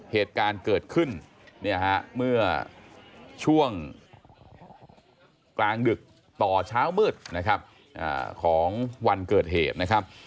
เหตุการณ์เกิดขึ้นเมื่อช่วงกลางดึกต่อเช้ามืดของวันเกิดเหตุนะครับ